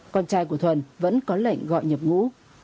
con trai của thuần vẫn có lệnh gọi nhập ngũ